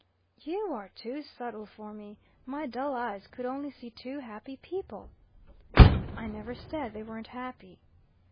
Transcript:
"You are too subtle for me. My dull eyes could only see two happy people." "I never said they weren't happy."